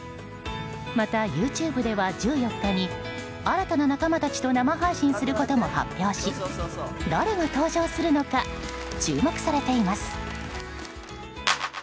またＹｏｕＴｕｂｅでは１４日に新たな仲間たちと生配信することも発表し誰が登場するのか注目されています。